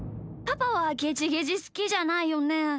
パパはゲジゲジすきじゃないよね？